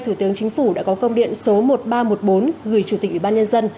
thủ tướng chính phủ đã có công điện số một nghìn ba trăm một mươi bốn gửi chủ tịch ủy ban nhân dân